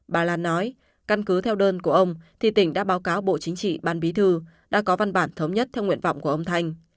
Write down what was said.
bà lan nói căn cứ theo đơn của ông thì tỉnh đã báo cáo bộ chính trị ban bí thư đã có văn bản thống nhất theo nguyện vọng của ông thanh